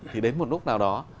thì đến một lúc nào đó